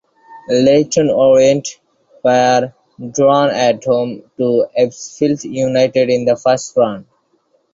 Leyton Orient were drawn at home to Ebbsfleet United in the first round.